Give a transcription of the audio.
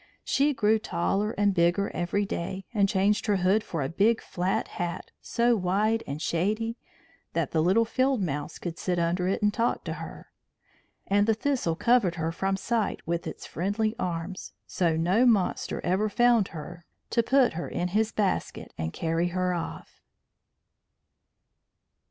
She grew taller and bigger every day, and changed her hood for a big flat hat so wide and shady that the little field mouse could sit under it and talk to her. And the thistle covered her from sight with its friendly arms, so no monster ever found her to put her in his basket and carry her off.